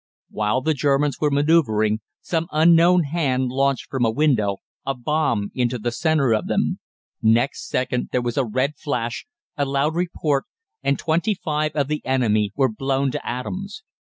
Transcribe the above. "While the Germans were manoeuvring, some unknown hand launched from a window a bomb into the centre of them. Next second there was a red flash, a loud report, and twenty five of the enemy were blown to atoms.